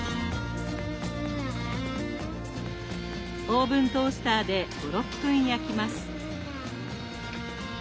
オーブントースターで５６分焼きます。